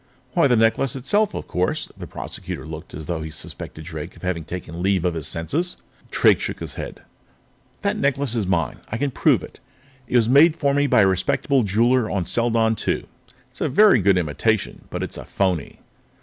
"Why, the necklace itself, of course!" The Prosecutor looked as though he suspected Drake of having taken leave of his senses. Drake shook his head. "That necklace is mine. I can prove it. It was made for me by a respectable jeweler on Seladon II. It's a very good imitation, but it's a phoney.